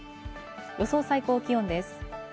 予想最高気温です。